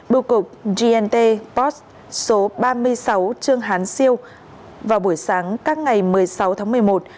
bưu cục gnt post số ba mươi sáu trương hán siêu vào buổi sáng các ngày một mươi sáu tháng một mươi một